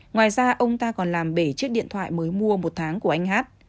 ngoài ra ông ta còn làm bể chiếc điện thoại mới mua một tháng của anh hát